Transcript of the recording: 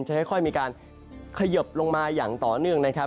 จะค่อยมีการขยบลงมาอย่างต่อเนื่องนะครับ